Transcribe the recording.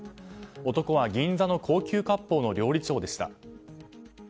男は銀座の高級割烹の料理長でした。